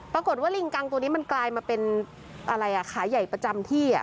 ปรากฏว่าลิงกังตัวนี้มันกลายมาเป็นอะไรอ่ะขาใหญ่ประจำที่